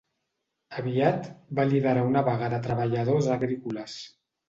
Aviat, va liderar una vaga de treballadors agrícoles.